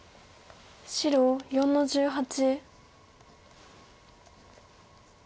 白４の十八。